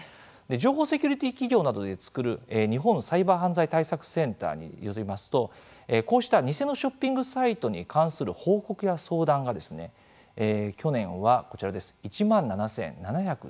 情報セキュリティー企業などで作る日本サイバー犯罪対策センターによりますと、こうした偽のショッピングサイトに関する報告や相談が去年は１万７７１７件。